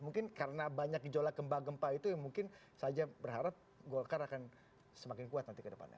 mungkin karena banyak gejolak gempa gempa itu yang mungkin saja berharap golkar akan semakin kuat nanti ke depannya